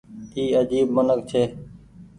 اي آجيب منک ڇي ۔